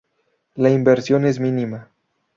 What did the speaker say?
La inversión es mínima.